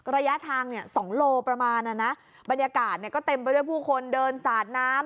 ระยะทางสองโลกรัมประมาณน่ะนะบรรยากาศก็เต็มไปด้วยผู้คนเดินสาดน้ำ